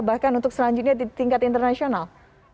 bahkan untuk selanjutnya di tingkat internasional